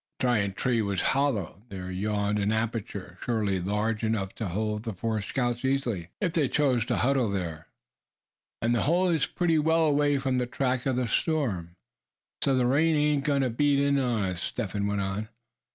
The giant tree was hollow. There yawned an aperture, surely large enough to hold the four scouts easily, if they chose to huddle together. "And the hole is pretty well away from the track of the storm, so the rain ain't agoin' to beat in on us," Step Hen went on.